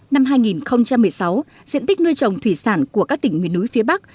năm hai nghìn một mươi sáu diện tích nuôi trồng thủy sản của các tỉnh miền núi phía bắc